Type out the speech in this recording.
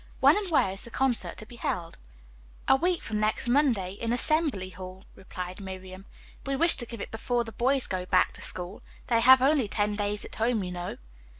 When and where is the concert to be held?" "A week from next Monday, in Assembly Hall," replied Miriam. "We wish to give it before the boys go back to school. They have only ten days at home, you know."